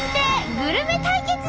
グルメ対決！